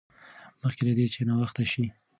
مخکې له دې چې ناوخته شي.